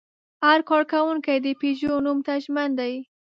هر کارکوونکی د پيژو نوم ته ژمن دی.